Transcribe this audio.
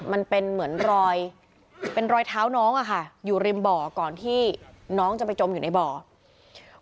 มันเป็นเหมือนรอยเป็นรอยเท้าน้องอะค่ะอยู่ริมบ่อก่อนที่น้องจะไปจมอยู่ในบ่อ